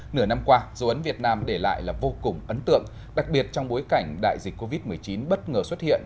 nửa năm qua dấu ấn việt nam để lại là vô cùng ấn tượng đặc biệt trong bối cảnh đại dịch covid một mươi chín bất ngờ xuất hiện